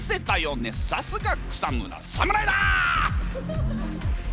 さすが草村侍だ！